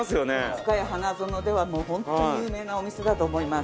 ふかや花園ではホントに有名なお店だと思います。